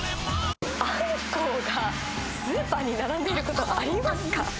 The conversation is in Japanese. アンコウがスーパーに並んでいることありますか？